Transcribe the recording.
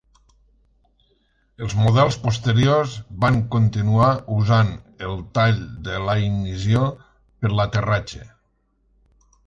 Els models posteriors van continuar usant el tall de la ignició per a l'aterratge.